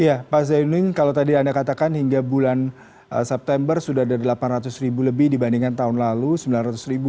iya pak zainud kalau tadi anda katakan hingga bulan september sudah ada delapan ratus ribu lebih dibandingkan tahun lalu sembilan ratus ribu